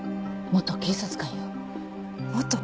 元警察官？